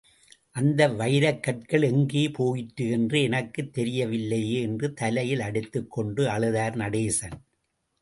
அந்த வைரக்கற்கள் எங்கே போயிற்று என்று எனக்குத் தெரியவில்லையே என்று தலையில் அடித்துக் கொண்டு அழுதார் நடேசன்.